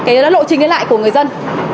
cái lộ trình liên lại của người dân